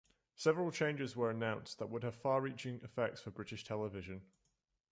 Several changes were announced that would have far-reaching effects for British television.